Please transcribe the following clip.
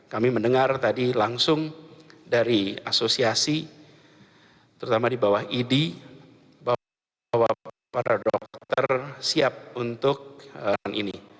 kami mendengar tadi langsung dari asosiasi terutama di bawah idi bahwa para dokter siap untuk ini